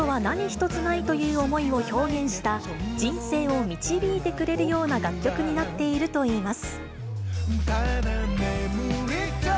むだなことは何一つないという思いを表現した、人生を導いてくれるような楽曲になっているといいます。